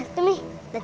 sate gurita enak banget